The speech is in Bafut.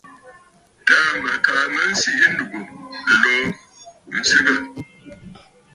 Taà mə kaa mə̀ sɨ̌ ndúgú lô ǹsɨgə.